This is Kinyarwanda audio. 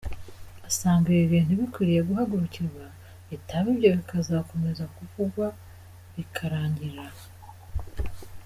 Asanga ibi bintu bikwiye guhagurukirwa bitaba ibyo bikazakomeza kuvugwa bikarangirira aho.